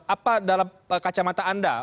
apa dalam kacamata anda